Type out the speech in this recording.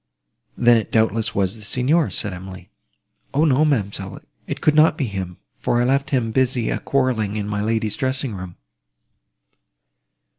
"Then it doubtless was the Signor," said Emily. "O no, ma'amselle, it could not be him, for I left him busy a quarrelling in my lady's dressing room!"